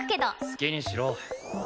好きにしろ。